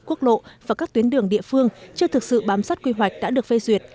quốc lộ và các tuyến đường địa phương chưa thực sự bám sát quy hoạch đã được phê duyệt